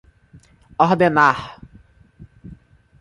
Ordenar!